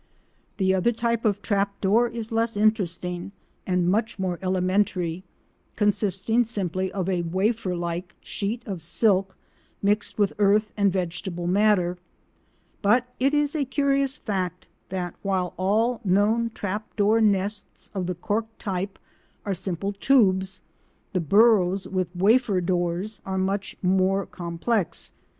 The other type of trap door is less interesting and much more elementary, consisting simply of a wafer like sheet of silk mixed with earth and vegetable matter, but it is a curious fact that while all known trap door nests of the cork type are simple tubes, the burrows with wafer doors are often much more complex.